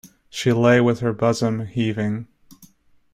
She lay with her bosom heaving.